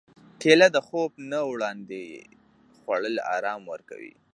کېله د خوب نه وړاندې خوړل ارام ورکوي.